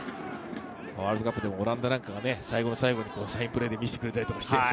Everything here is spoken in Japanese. ワールドカップでもオランダが最後の最後にサインプレーで見せてくれました。